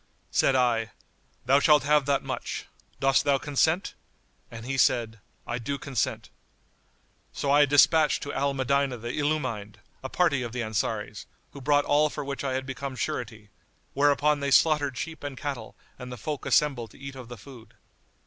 Said I, "Thou shalt have that much; dost thou consent?"; and he said, "I do consent." So I despatched to Al Medinah the Illumined[FN#92] a party of the Ansaris, who brought all for which I had become surety; whereupon they slaughtered sheep and cattle and the folk assembled to eat of the food.